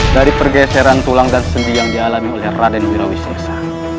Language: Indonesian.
dari pergeseran tulang dan sendi yang dialami oleh raden wirawisa